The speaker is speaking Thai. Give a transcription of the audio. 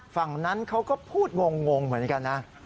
ฝั่งนั้นเขาก็พูดงงเหมือนกันนะ